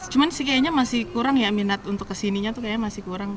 cuman sih kayaknya masih kurang ya minat untuk kesininya tuh kayaknya masih kurang